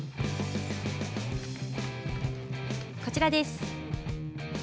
こちらです。